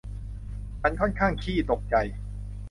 ฉันค่อนข้างขี้ตกใจ